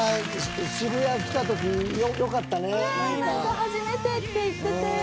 「初めて！」って言ってて。